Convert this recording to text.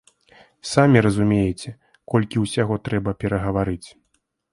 Самі разумееце, колькі ўсяго трэба перагаварыць.